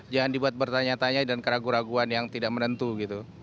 jangan dibuat bertanya tanya dan keraguan keraguan yang tidak menentu gitu